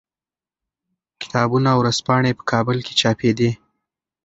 کتابونه او ورځپاڼې په کابل کې چاپېدې.